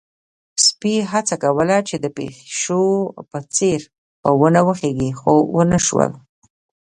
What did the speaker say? سپي هڅه کوله چې د پيشو په څېر په ونې وخيژي، خو ونه شول.